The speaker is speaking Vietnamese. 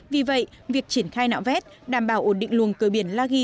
vì vậy việc triển khai nạo vét đảm bảo ổn định luồng cửa biển la di